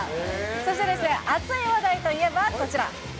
そして、熱い話題といえばこちら。